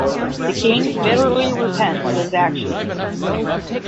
The King bitterly repents his actions.